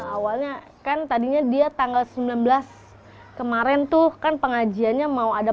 awalnya kan tadinya dia tanggal sembilan belas kemarin tuh kan pengajiannya mau ada